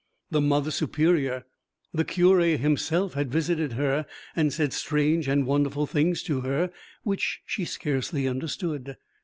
The Mother Superior, the curé himself, had visited her, had said strange and wonderful things to her which she scarcely understood.